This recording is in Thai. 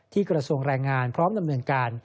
ที่กรส่งแรงงานพร้อมดำเนินการ